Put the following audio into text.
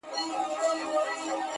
پلار یې وښوروی سر و یې خندله,